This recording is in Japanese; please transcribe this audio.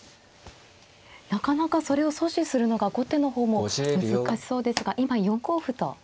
なかなかそれを阻止するのが後手の方も難しそうですが今４五歩と。